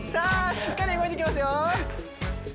しっかり動いていきますよ